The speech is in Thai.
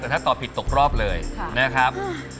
แต่ถ้าตอบผิดตกรอบเลยนะครับ